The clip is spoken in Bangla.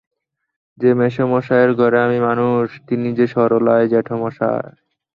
যে-মেসোমশায়ের ঘরে আমি মানুষ, তিনি যে সরলার জেঠামশায়।